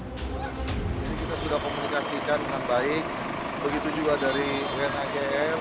kita sudah komunikasikan dengan baik begitu juga dari unhcr